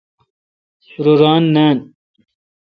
رو ران نان۔